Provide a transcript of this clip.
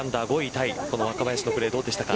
タイこの若林のプレーどうでしたか。